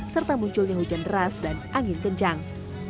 serta munculnya hujan deras dan angin kencang